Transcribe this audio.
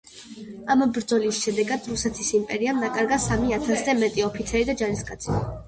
ამ ბრძოლის შედეგად რუსეთის იმპერიამ დაკარგა სამი ათასზე მეტი ოფიცერი და ჯარისკაცი.